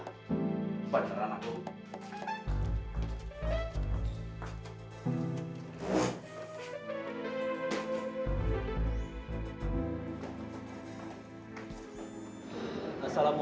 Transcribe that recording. assalamu'alaikum warahmatullahi wabarakatuh